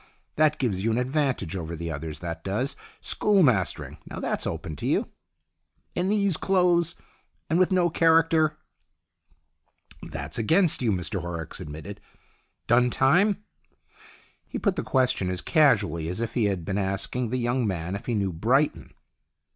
That gives you an advantage over the others, that does. School mastering, now that's open to you." " In these clothes ? And with no character ?"" That's against you," Mr Horrocks admitted. "Done time?" He put the question as casually as if he had been asking the young man if he knew Brighton.